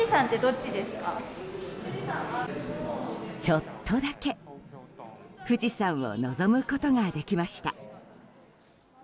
ちょっとだけ富士山を望むことができました。